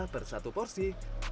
per satu porsi